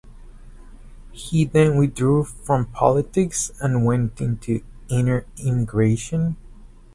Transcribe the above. He then withdrew from politics and went into "inner emigration".